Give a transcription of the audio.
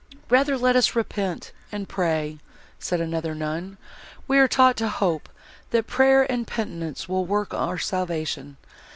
"Rather let us repent, and pray," said another nun. "We are taught to hope, that prayer and penitence will work our salvation.